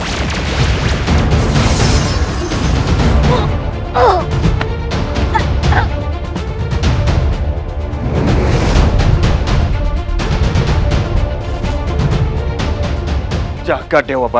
hal terbuat berbeda